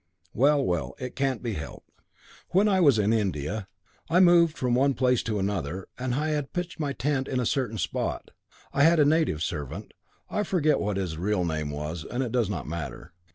"Well, well, it can't be helped. When I was in India, I moved from one place to another, and I had pitched my tent in a certain spot. I had a native servant. I forget what his real name was, and it does not matter.